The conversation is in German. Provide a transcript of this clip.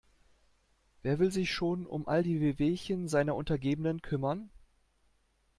Wer will sich schon um all die Wehwehchen seiner Untergebenen kümmern?